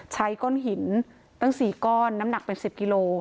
ใช้ก้อนหินตั้ง๔ก้อนน้ำหนักเป็น๑๐กิโล